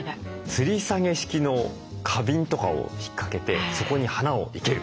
つり下げ式の花瓶とかを引っかけてそこに花を生ける。